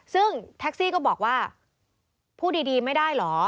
ซึ่งแท็กซี่ก็บอกว่าพูดดีไม่ได้เหรอ